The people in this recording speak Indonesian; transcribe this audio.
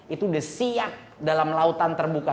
itu udah siap dalam lautan terbuka